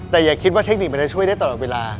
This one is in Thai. แต่อย่าคิดว่าเทคนิคมันจะช่วยได้ตลอดเวลา